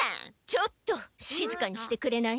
ちょっとしずかにしてくれない？